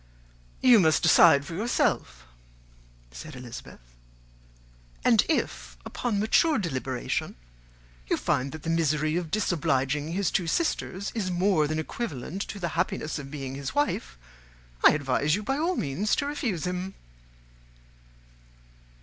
"You must decide for yourself," said Elizabeth; "and if, upon mature deliberation, you find that the misery of disobliging his two sisters is more than equivalent to the happiness of being his wife, I advise you, by all means, to refuse him."